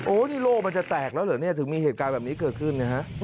นี่โลกมันจะแตกแล้วเหรอเนี่ยถึงมีเหตุการณ์แบบนี้เกิดขึ้นนะฮะ